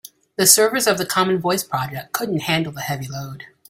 The servers of the common voice project couldn't handle the heavy load.